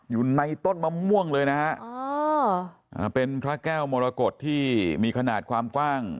อยู่ในต้นมะม่วงเลยนะฮะเป็นพระแก้วมรกฏที่มีขนาดความกว้าง